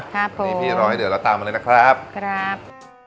ครับผมนี่พี่รอให้เดือดแล้วตามมาเลยนะครับครับ